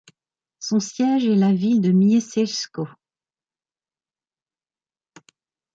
Son siège est la ville de Mieścisko.